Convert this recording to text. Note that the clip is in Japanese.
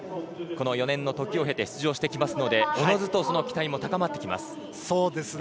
この４年の時を経て出場してきますのでおのずと期待も高まってきます。